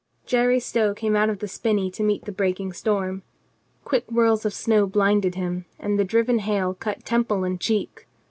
6 COLONEL GREATHEART Jerry Stow came out of the spinney to meet the breaking storm. Quick whirls of snow blinded him, and the driven hail cut temple and cheek.